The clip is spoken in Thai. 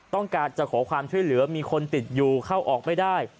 ต้องการจะขอความช่วยเหลือมีคนติดอยู่เข้าออกไม่ได้